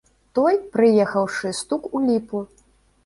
Той, прыехаўшы, стук у ліпу.